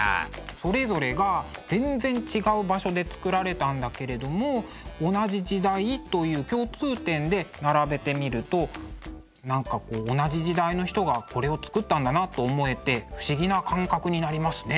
それぞれが全然違う場所でつくられたんだけれども同じ時代という共通点で並べてみると何か同じ時代の人がこれをつくったんだなと思えて不思議な感覚になりますね。